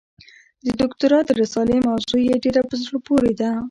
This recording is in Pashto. د دوکتورا د رسالې موضوع یې ډېره په زړه پورې ده.